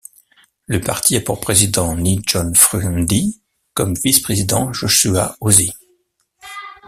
Le parti a pour président Ni John Fru Ndi et comme vice-président Joshua Osih.